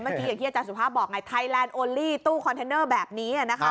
เมื่อกี้อย่างเฮียแจ้งสุภาพบอกไงไทยแลนด์โอลลี่ตู้คอนเทนเนอร์แบบนี้